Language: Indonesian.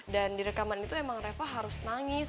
dan di rekaman itu emang reva harus nangis